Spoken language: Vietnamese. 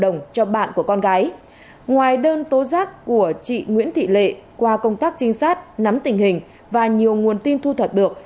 ngoài đơn tố giác của chị nguyễn thị lệ qua công tác trinh sát nắm tình hình và nhiều nguồn tin thu thập được